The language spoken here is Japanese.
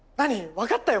分かったよ